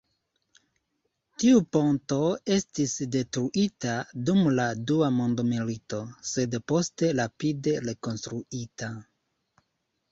Tiu ponto estis detruita dum la dua mondmilito, sed poste rapide rekonstruita.